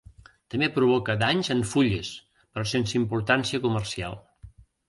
També provoca danys en fulles, però sense importància comercial.